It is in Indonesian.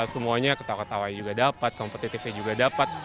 semuanya ketawa ketawanya juga dapat kompetitifnya juga dapat